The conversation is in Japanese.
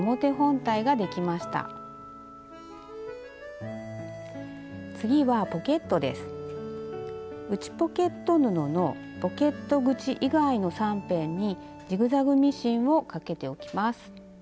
内ポケット布のポケット口以外の３辺にジグザグミシンをかけておきます。